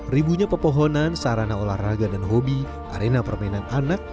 ribunya pepohonan sarana olahraga dan hobi arena permainan anak